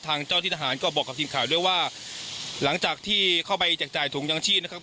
ทางเจ้าที่ทหารก็บอกกับทีมข่าวด้วยว่าหลังจากที่เข้าไปแจกจ่ายถุงยังชีพนะครับ